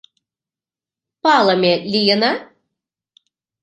— Палыме лийына?